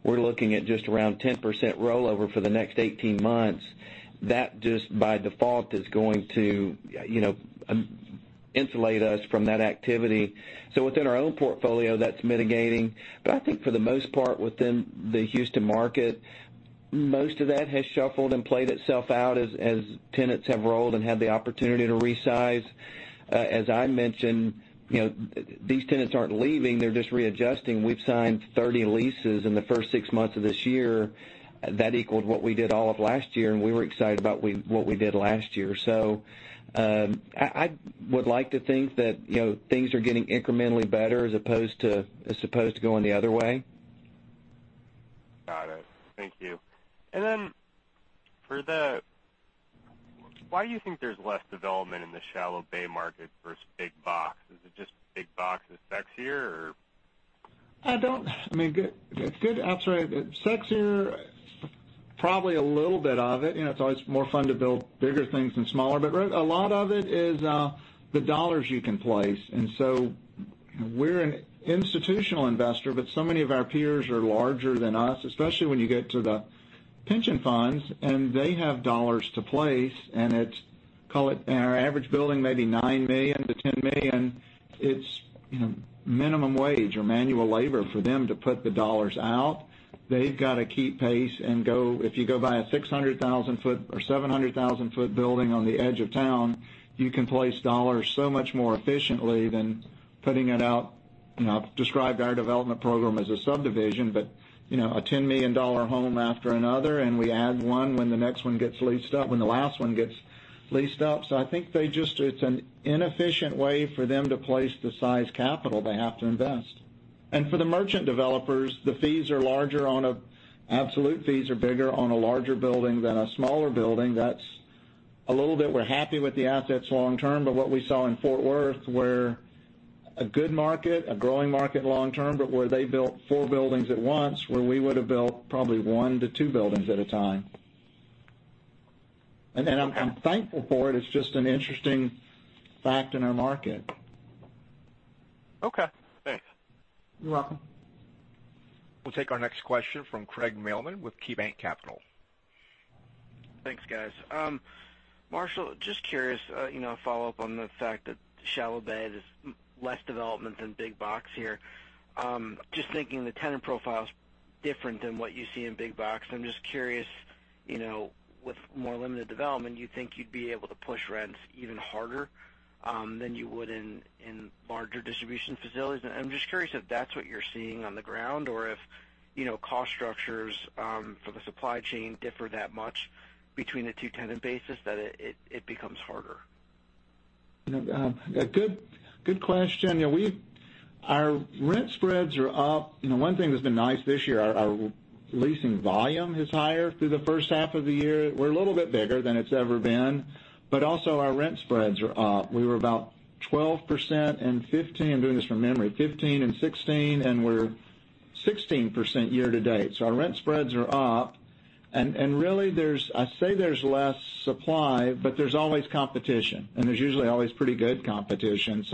We're looking at just around 10% rollover for the next 18 months. That just by default Insulate us from that activity. Within our own portfolio, that's mitigating. I think for the most part, within the Houston market, most of that has shuffled and played itself out as tenants have rolled and had the opportunity to resize. As I mentioned, these tenants aren't leaving, they're just readjusting. We've signed 30 leases in the first six months of this year. That equaled what we did all of last year, and we were excited about what we did last year. I would like to think that things are getting incrementally better as opposed to going the other way. Got it. Thank you. Why do you think there's less development in the shallow bay market versus big box? Is it just big box is sexier, or? It's a good answer. Sexier, probably a little bit of it. It's always more fun to build bigger things than smaller. A lot of it is the dollars you can place. We're an institutional investor, but so many of our peers are larger than us, especially when you get to the pension funds, and they have dollars to place, and it's, call it, in our average building maybe $9 million to $10 million. It's minimum wage or manual labor for them to put the dollars out. They've got to keep pace and go. If you go buy a 600,000 foot or 700,000-foot building on the edge of town, you can place dollars so much more efficiently than putting it out. I've described our development program as a subdivision, but a $10 million home after another, and we add one when the next one gets leased up, when the last one gets leased up. I think it's an inefficient way for them to place the size capital they have to invest. For the merchant developers, the absolute fees are bigger on a larger building than a smaller building. We're happy with the assets long term, but what we saw in Fort Worth, where a good market, a growing market long term, but where they built four buildings at once, where we would've built probably one to two buildings at a time. I'm thankful for it. It's just an interesting fact in our market. Okay, thanks. You're welcome. We'll take our next question from Craig Mailman with KeyBanc Capital. Thanks, guys. Marshall, just curious, a follow-up on the fact that shallow bay is less development than big box here. Just thinking the tenant profile is different than what you see in big box. I'm just curious, with more limited development, you think you'd be able to push rents even harder than you would in larger distribution facilities? I'm just curious if that's what you're seeing on the ground or if cost structures for the supply chain differ that much between the two tenant bases that it becomes harder. A good question. Our rent spreads are up. One thing that's been nice this year, our leasing volume is higher through the first half of the year. Also our rent spreads are up. We were about 12% and 15%, I'm doing this from memory, 15% and 16%, We're 16% year-to-date. Our rent spreads are up, Really, I say there's less supply, but there's always competition, and there's usually always pretty good competition.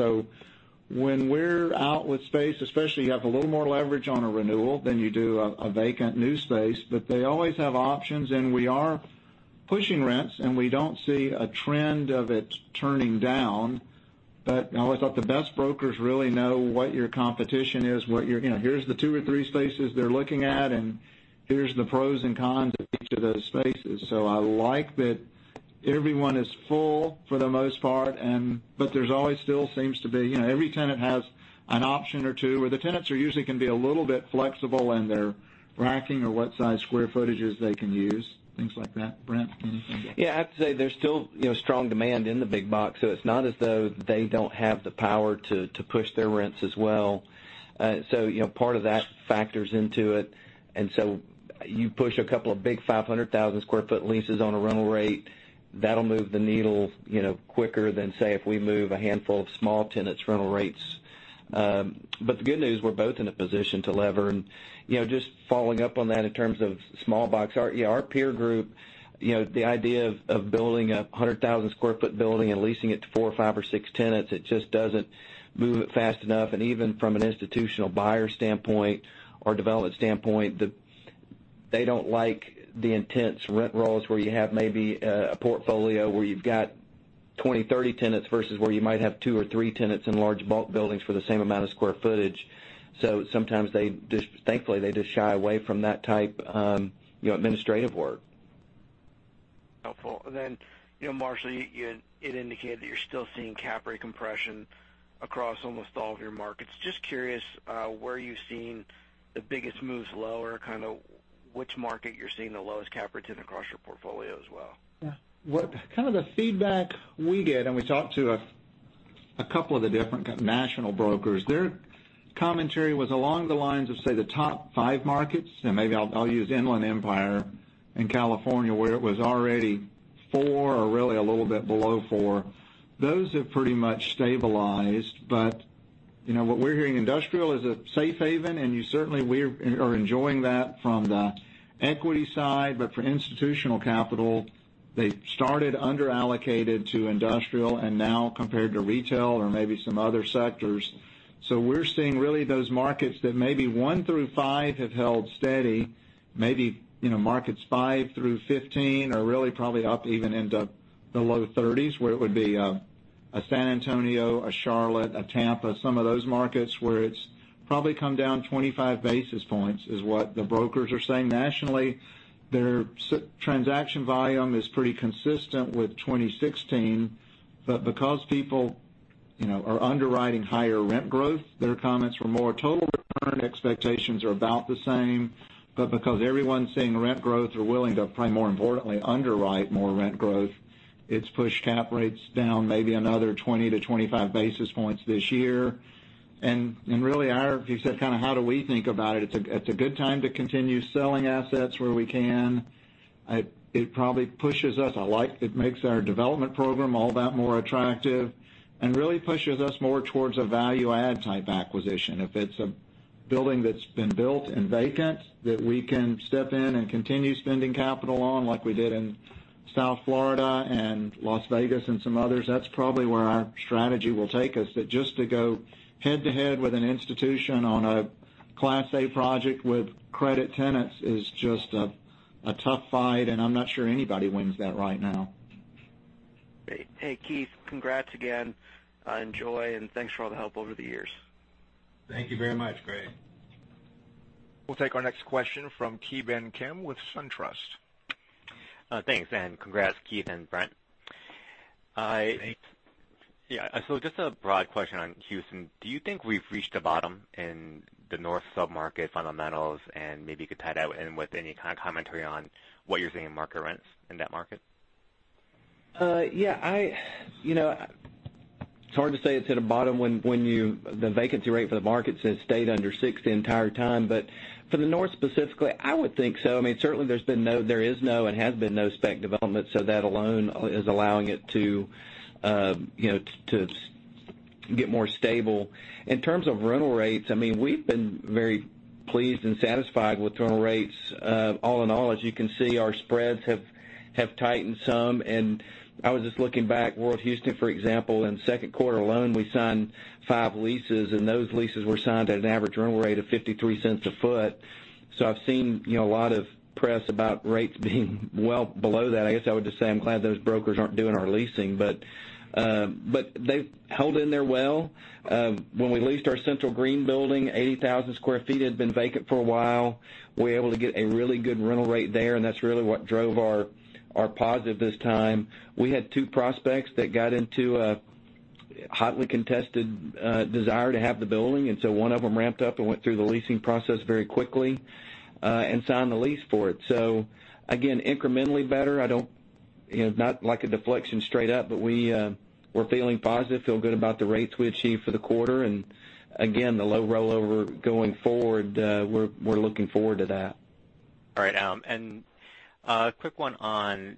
When we're out with space, especially, you have a little more leverage on a renewal than you do a vacant new space, They always have options, We are pushing rents, We don't see a trend of it turning down. I always thought the best brokers really know what your competition is. Here's the 2 or 3 spaces they're looking at, Here's the pros and cons of each of those spaces. I like that everyone is full for the most part, but there's always still seems to be every tenant has an option or two, The tenants are usually can be a little bit flexible in their racking or what size square footages they can use, things like that. Brent, anything? Yeah, I have to say, there's still strong demand in the big box, It's not as though they don't have the power to push their rents as well. Part of that factors into it, You push a couple of big 500,000 sq ft leases on a rental rate. That'll move the needle quicker than, say, if we move a handful of small tenants' rental rates. The good news, we're both in a position to lever. Just following up on that in terms of small box, our peer group, the idea of building a 100,000 sq ft building and leasing it to four, five, or six tenants, it just doesn't move it fast enough. Even from an institutional buyer standpoint or development standpoint, they don't like the intense rent rolls where you have maybe a portfolio where you've got 20, 30 tenants versus where you might have two or three tenants in large bulk buildings for the same amount of square footage. Sometimes, thankfully, they just shy away from that type administrative work. Helpful. Marshall, you indicated that you're still seeing cap rate compression across almost all of your markets. Just curious where you're seeing the biggest moves lower, kind of which market you're seeing the lowest cap rate in across your portfolio as well. Kind of the feedback we get, we talked to a couple of the different national brokers, their commentary was along the lines of, say, the top five markets, maybe I'll use Inland Empire in California, where it was already four or really a little bit below four. Those have pretty much stabilized, what we're hearing, industrial is a safe haven, certainly, we are enjoying that from the equity side. For institutional capital, they started under-allocated to industrial, now compared to retail or maybe some other sectors. We're seeing really those markets that maybe one through five have held steady. Maybe, markets five through 15 are really probably up, even into the low 30s, where it would be a San Antonio, a Charlotte, a Tampa, some of those markets where it's probably come down 25 basis points, is what the brokers are saying nationally. Their transaction volume is pretty consistent with 2016, because people are underwriting higher rent growth, their comments were more total return expectations are about the same. Because everyone's seeing rent growth, are willing to probably more importantly underwrite more rent growth, it's pushed cap rates down maybe another 20-25 basis points this year. Really, you said kind of how do we think about it? It's a good time to continue selling assets where we can. It makes our development program all that more attractive and really pushes us more towards a value add type acquisition. If it's a building that's been built and vacant that we can step in and continue spending capital on, like we did in South Florida and Las Vegas and some others, that's probably where our strategy will take us. That just to go head to head with an institution on a Class A project with credit tenants is just a tough fight, I'm not sure anybody wins that right now. Great. Hey, Keith, congrats again. Enjoy, and thanks for all the help over the years. Thank you very much, Craig. We'll take our next question from Ki Bin Kim with SunTrust. Thanks, and congrats, Keith and Brent. Thanks. Yeah. Just a broad question on Houston. Do you think we've reached a bottom in the north sub-market fundamentals? Maybe you could tie that in with any kind of commentary on what you're seeing in market rents in that market. Yeah. It's hard to say it's hit a bottom when the vacancy rate for the market's stayed under six the entire time. For the north specifically, I would think so. Certainly, there is no and has been no spec development, that alone is allowing it to get more stable. In terms of rental rates, we've been very pleased and satisfied with rental rates. All in all, as you can see, our spreads have tightened some. I was just looking back, World Houston, for example, in the second quarter alone, we signed five leases, and those leases were signed at an average rental rate of $0.53 a foot. I've seen a lot of press about rates being well below that. I guess I would just say I'm glad those brokers aren't doing our leasing. They've held in there well. When we leased our Central Green building, 80,000 sq ft, it had been vacant for a while. We were able to get a really good rental rate there, that's really what drove our positive this time. We had two prospects that got into a hotly contested desire to have the building, one of them ramped up and went through the leasing process very quickly, and signed the lease for it. Again, incrementally better. Not like a deflection straight up, we're feeling positive, feel good about the rates we achieved for the quarter. Again, the low rollover going forward, we're looking forward to that. All right. A quick one on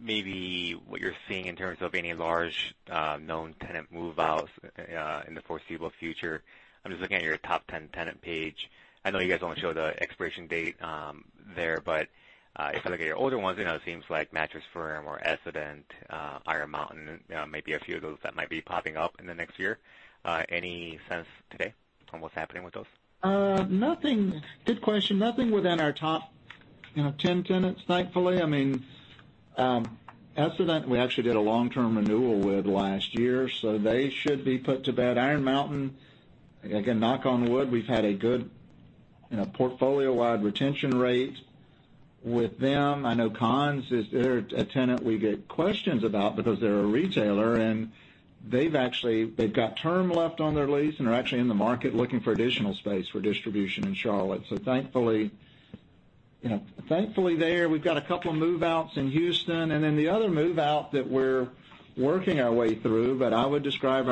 maybe what you're seeing in terms of any large, known tenant move-outs in the foreseeable future. I'm just looking at your top 10 tenant page. I know you guys don't show the expiration date there, if I look at your older ones, it seems like Mattress Firm or Essent, Iron Mountain, maybe a few of those that might be popping up in the next year. Any sense today on what's happening with those? Good question. Nothing within our top 10 tenants, thankfully. Essent, we actually did a long-term renewal with last year, so they should be put to bed. Iron Mountain, again, knock on wood, we've had a good portfolio-wide retention rate with them. I know Conn's, they're a tenant we get questions about because they're a retailer, and they've got term left on their lease and are actually in the market looking for additional space for distribution in Charlotte. Thankfully, there. We've got a couple of move-outs in Houston, then the other move-out that we're working our way through. I would describe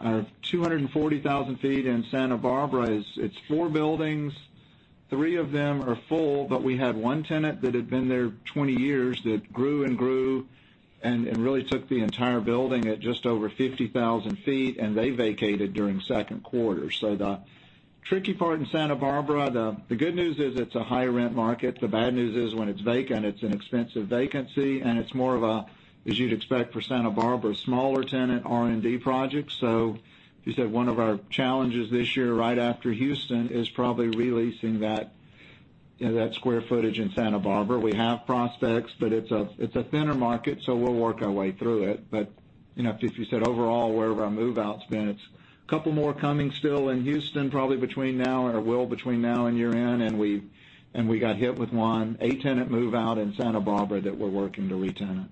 our 240,000 feet in Santa Barbara is, it's four buildings. Three of them are full, we had one tenant that had been there 20 years that grew and grew and really took the entire building at just over 50,000 feet, and they vacated during second quarter. The tricky part in Santa Barbara, the good news is it's a high-rent market. The bad news is when it's vacant, it's an expensive vacancy, and it's more of a, as you'd expect for Santa Barbara, smaller tenant, R&D project. As you said, one of our challenges this year, right after Houston, is probably re-leasing that square footage in Santa Barbara. We have prospects, it's a thinner market, we'll work our way through it. If you said overall, where have our move-outs been? It's a couple more coming still in Houston, probably between now, or will between now and year-end, and we got hit with one, a tenant move-out in Santa Barbara that we're working to re-tenant.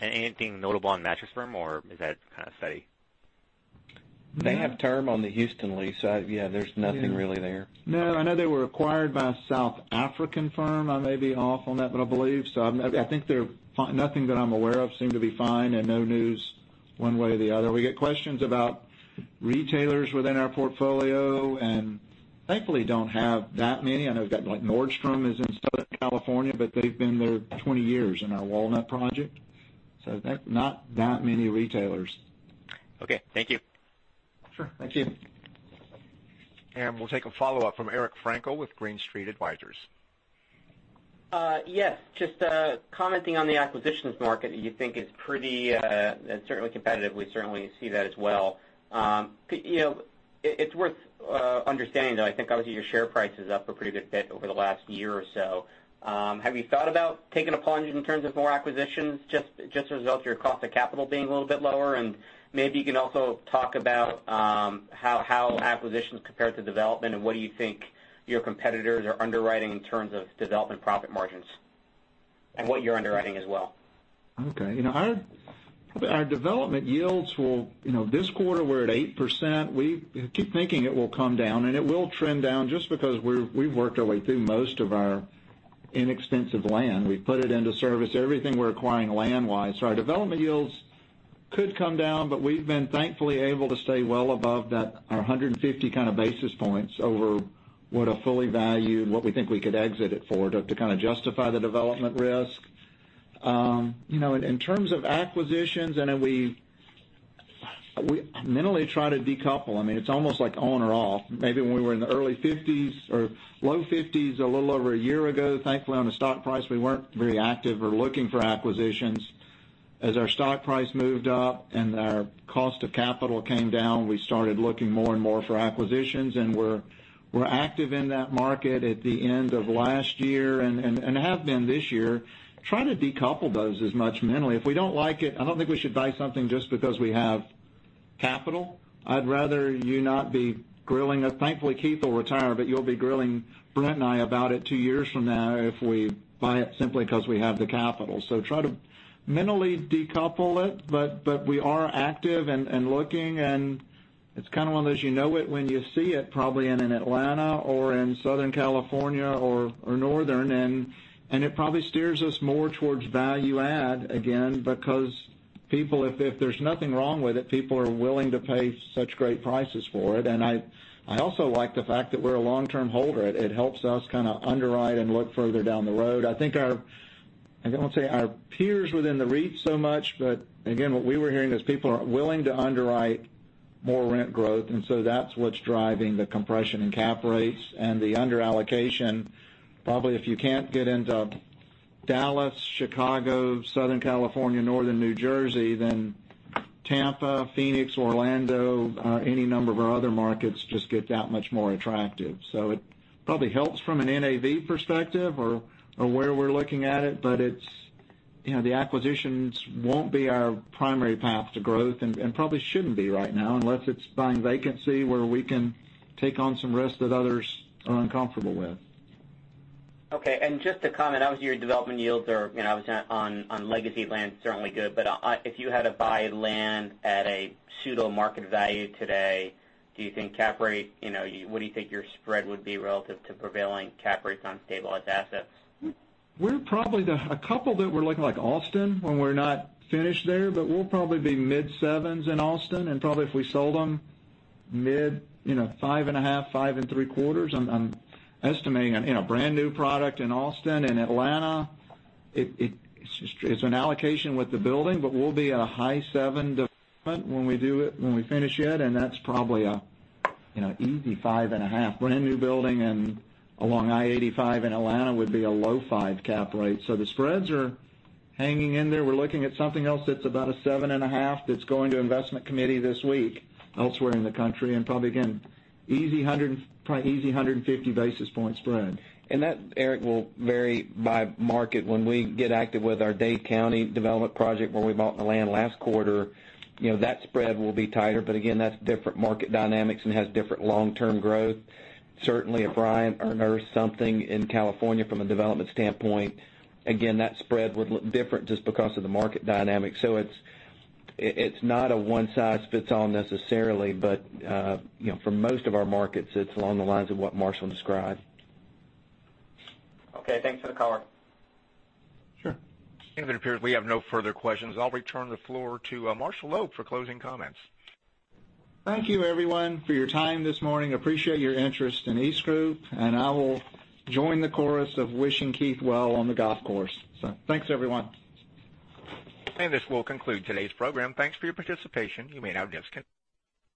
Anything notable on Mattress Firm, or is that kind of steady? They have term on the Houston lease. Yeah, there's nothing really there. No, I know they were acquired by a South African firm. I may be off on that, but I believe. I think nothing that I'm aware of. They seem to be fine, and no news one way or the other. We get questions about retailers within our portfolio, and thankfully don't have that many. I know we've got Nordstrom is in Southern California, but they've been there 20 years in our Walnut project. Not that many retailers. Okay. Thank you. Sure. Thank you. We'll take a follow-up from Eric Frankel with Green Street Advisors. Yes. Just commenting on the acquisitions market, you think it's pretty, certainly competitive. We certainly see that as well. It's worth understanding, though, I think, obviously, your share price is up a pretty good bit over the last year or so. Have you thought about taking a plunge in terms of more acquisitions, just as a result of your cost of capital being a little bit lower? Maybe you can also talk about how acquisitions compare to development, and what do you think your competitors are underwriting in terms of development profit margins and what you're underwriting as well? Okay. Our development yields this quarter, we're at 8%. We keep thinking it will come down, and it will trend down just because we've worked our way through most of our inexpensive land. We've put it into service, everything we're acquiring land-wise. Our development yields could come down, but we've been thankfully able to stay well above that, our 150 kind of basis points over what a fully valued, what we think we could exit it for to kind of justify the development risk. In terms of acquisitions, I know we mentally try to decouple. It's almost like on or off. Maybe when we were in the early 50s or low 50s a little over a year ago, thankfully, on the stock price, we weren't very active or looking for acquisitions. As our stock price moved up and our cost of capital came down, we started looking more and more for acquisitions, and were active in that market at the end of last year and have been this year. Try to decouple those as much mentally. If we don't like it, I don't think we should buy something just because we have capital. I'd rather you not be grilling us. Thankfully, Keith will retire, but you'll be grilling Brent and I about it two years from now if we buy it simply because we have the capital. Try to mentally decouple it. We are active and looking, and it's kind of one of those, you know it when you see it, probably in an Atlanta or in Southern California or Northern. It probably steers us more towards value add again, because if there's nothing wrong with it, people are willing to pay such great prices for it. I also like the fact that we're a long-term holder. It helps us kind of underwrite and look further down the road. I think our, I won't say our peers within the REIT so much, but again, what we were hearing is people are willing to underwrite more rent growth, and so that's what's driving the compression in cap rates and the under-allocation. Probably if you can't get into Dallas, Chicago, Southern California, Northern New Jersey, then Tampa, Phoenix, Orlando, any number of our other markets just get that much more attractive. It probably helps from an NAV perspective or where we're looking at it. The acquisitions won't be our primary path to growth and probably shouldn't be right now, unless it's buying vacancy where we can take on some risk that others are uncomfortable with. Okay. Just to comment, obviously, your development yields are, obviously, on legacy land, certainly good. If you had to buy land at a pseudo market value today, do you think cap rate, what do you think your spread would be relative to prevailing cap rates on stabilized assets? A couple that we're looking, like Austin, when we're not finished there, but we'll probably be mid-7s in Austin, and probably if we sold them, mid 5.5%-5.75%. I'm estimating a brand-new product in Austin and Atlanta. It's an allocation with the building, but we'll be at a high 7%, different when we finish it, and that's probably a easy 5.5. Brand-new building along I-85 in Atlanta would be a low 5 cap rate. The spreads are hanging in there. We're looking at something else that's about a 7.5 that's going to investment committee this week elsewhere in the country, and probably, again, easy 150 basis point spread. That, Eric, will vary by market. When we get active with our Dade County development project where we bought the land last quarter, that spread will be tighter. Again, that's different market dynamics and has different long-term growth. Certainly, if Ryan earned something in California from a development standpoint, again, that spread would look different just because of the market dynamics. It's not a one-size-fits-all necessarily, but for most of our markets, it's along the lines of what Marshall described. Okay. Thanks for the color. Sure. It appears we have no further questions. I will return the floor to Marshall Loeb for closing comments. Thank you, everyone, for your time this morning. Appreciate your interest in EastGroup, and I will join the chorus of wishing Keith well on the golf course. Thanks, everyone. This will conclude today's program. Thanks for your participation. You may now disconnect.